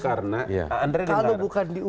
karena kalau bukan diundang